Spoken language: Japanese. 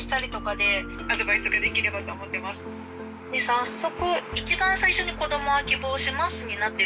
早速。